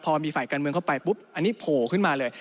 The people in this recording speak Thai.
พอมีฝ่ายการเมืองเข้าไปปุ๊บอันนี้โผล่ขึ้นมาเลย